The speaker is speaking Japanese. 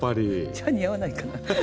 じゃあ似合わないかな。